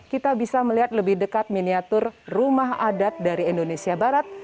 kita bisa melihat lebih dekat miniatur rumah adat dari indonesia barat